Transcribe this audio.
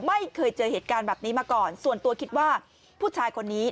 ไม่เคยเจอเหตุการณ์แบบนี้มาก่อนส่วนตัวคิดว่าผู้ชายคนนี้